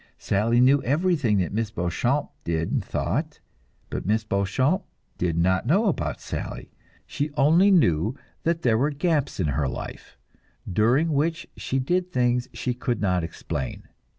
Sally knew everything that Miss Beauchamp did and thought, but Miss Beauchamp did not know about Sally. She only knew that there were gaps in her life, during which she did things she could not explain.